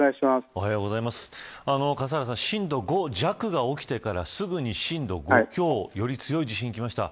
震度５弱が起きてからすぐに震度５強、より強い地震がきました。